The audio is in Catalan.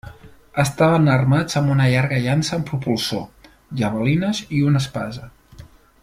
Estaven armats amb una llarga llança amb propulsor, javelines i una espasa.